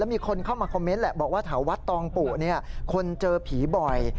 มีคนเข้ามาคอมเมนต์แหละบอกว่าแถววัดตองปุคนเจอผีบ่อย